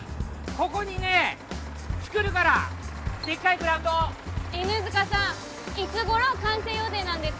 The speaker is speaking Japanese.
ここにねつくるからでっかいグラウンド犬塚さんいつ頃完成予定なんですか？